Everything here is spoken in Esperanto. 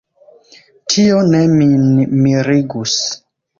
Tio ne min mirigus.